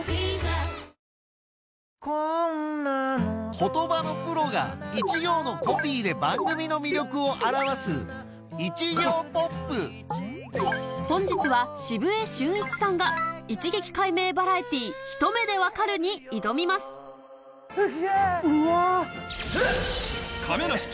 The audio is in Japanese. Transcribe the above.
言葉のプロが一行のコピーで番組の魅力を表す本日は澁江俊一さんが『一撃解明バラエティひと目でわかる‼』に挑みますフッ！